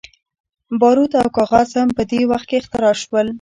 باروت او کاغذ هم په دې وخت کې اختراع شول.